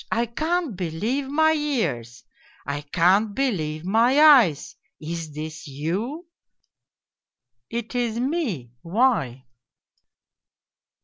I can't believe my ears, I can't believe my eyes ! Is this you ?'"' It is me, why